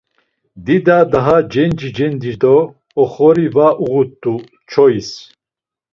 Dida daha cenci cenci do oxori va uğut̆u çois.